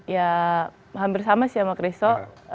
ya hampir sama sih sama christo